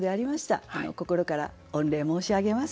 心から御礼申し上げます。